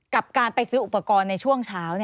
กับการไปซื้ออุปกรณ์ในช่วงเช้า